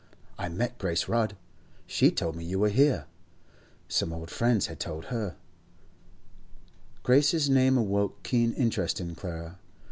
I met Grace Rudd; she told me you were here. Some old friend had told her.' Grace's name awoke keen interest in Clara.